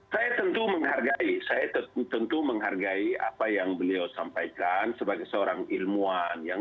saya tentu menghargai saya tentu menghargai apa yang beliau sampaikan sebagai seorang ilmuwan